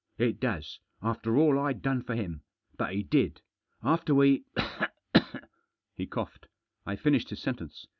" It does. After all Fd done for him. But he did. After we " He coughed. I finished his sentence.